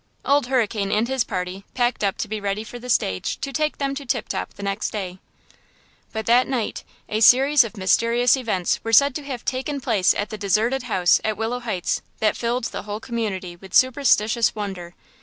Old Hurricane and his party packed up to be ready for the stage to take them to Tip Top the next day. But that night a series of mysterious events were said to have taken place at the deserted house at Willow Heights that filled the whole community with superstitious wonder.